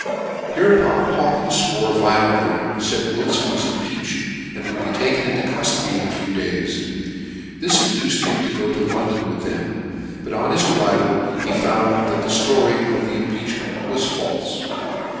Hereupon Hawkins fwore violently, faid Wilfon was impeached, and would be taken into cuflody in a few days. This induced him to go to Lon don with them ; but on his arrival he found that the flo/y of the impeachment was falfe.